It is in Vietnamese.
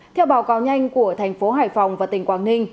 theo báo cáo nhanh của thành phố hải phòng và tỉnh quảng ninh